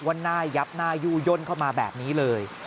ว่าหน้ายับหน้ายู่ย่นเข้ามาแบบนี้เลย